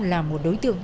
là một đối tượng